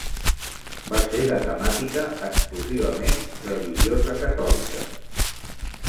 Va ser de temàtica exclusivament religiosa catòlica.